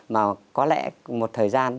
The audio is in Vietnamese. mà có lẽ một thời gian